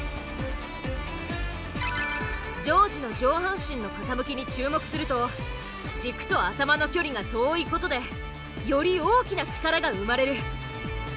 丈司の上半身の傾きに注目すると軸と頭の距離が遠いことでより大きな力が生まれる。